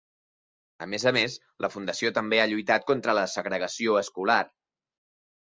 A més a més, la fundació també ha lluitat contra la segregació escolar.